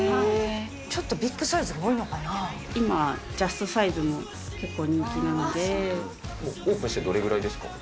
ちょっとビッグサイズが多い今、ジャストサイズも結構人オープンしてどれぐらいです